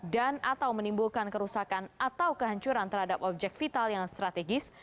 dan atau menimbulkan kerusakan atau kehancuran terhadap objek vital yang strategis